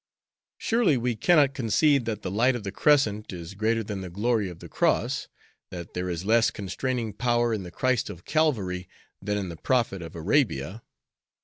Surely we cannot concede that the light of the Crescent is greater than the glory of the Cross, that there is less constraining power in the Christ of Calvary than in the Prophet of Arabia?